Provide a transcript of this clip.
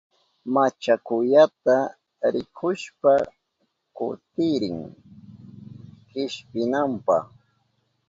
Machakuyata rikushpa kutirin kishpinanpa.